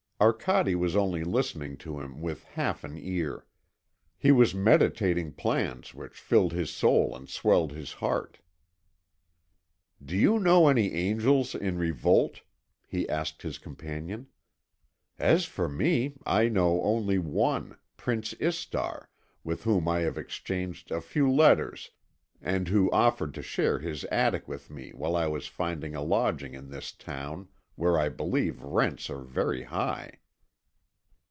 Arcade was only listening to him with half an ear. He was meditating plans which filled his soul and swelled his heart. "Do you know any angels in revolt?" he asked his companion. "As for me, I know only one, Prince Istar, with whom I have exchanged a few letters and who offered to share his attic with me while I was finding a lodging in this town, where I believe rents are very high."